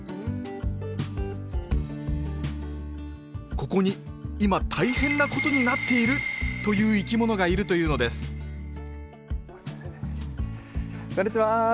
ここに今大変なことになっている！？という生き物がいるというのですこんにちは。